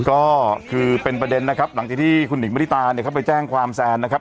ก็คือเป็นประเด็นนะครับหลังจากที่คุณหิงปริตาเนี่ยเข้าไปแจ้งความแซนนะครับ